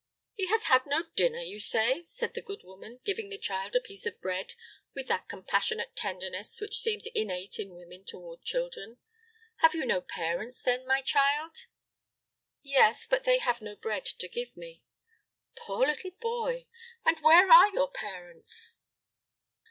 "He has had no dinner, you say?" said the good woman, giving the child a piece of bread with that compassionate tenderness which seems innate in women toward children; "have you no parents, then, my child?" "Yes, but they have no bread to give me." "Poor little boy! And where are your parents?"